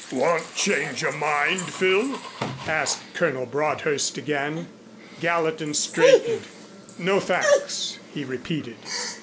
"Won't change your mind, Phil?" asked Colonel Broadhurst again. Gallatin straightened. "No, thanks," he repeated.